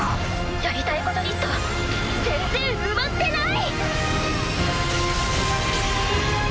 やりたいことリスト全然埋まってない！